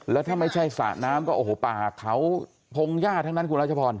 แล้วถ้าไม่ใช่สระน้ำก็โอ้โหป่าเขาพงหญ้าทั้งนั้นคุณรัชพร